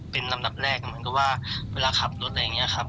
เป็นลำดับแรกเหมือนกับว่าเวลาขับรถอะไรอย่างนี้ครับ